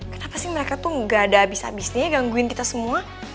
kenapa sih mereka tuh gak ada abis abis nih ya gangguin kita semua